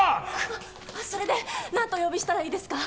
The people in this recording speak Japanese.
あっそれで何とお呼びしたらいいですか？